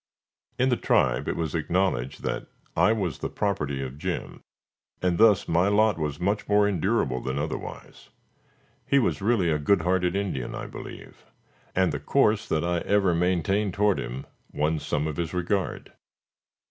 In the tribe it was acknowledged that I was the property of Jim, and thus my lot was much more endurable than otherwise. He was really a good hearted Indian, I believe; and the course that I ever maintained toward him won some of his regard.